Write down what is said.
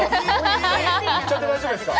言っちゃって大丈夫ですか？